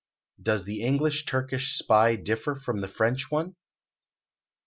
Does the English Turkish Spy differ from the French one?